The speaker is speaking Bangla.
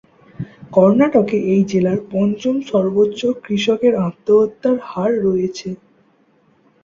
কর্ণাটকে এই জেলার পঞ্চম সর্বোচ্চ কৃষকের আত্মহত্যার হার রয়েছে।